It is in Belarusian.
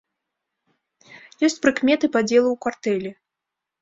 Ёсць прыкметы падзелу ў картэлі.